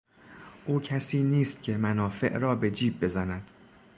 او کسی نیست که منافع را به جیب بزند.